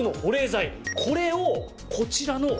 これをこちらのタンク